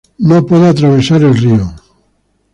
No puede atravesar el río.